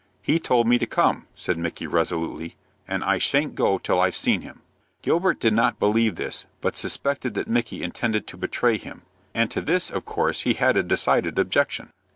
"He told me to come," said Micky, resolutely, "and I shan't go till I've seen him." Gilbert did not believe this, but suspected that Micky intended to betray him, and to this of course he had a decided objection.